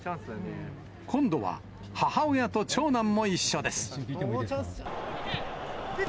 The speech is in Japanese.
今度は、母親と長男も一緒です。